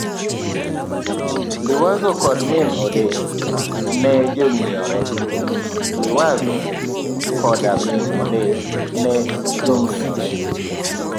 Liwazo koda min ode ne jong'iyore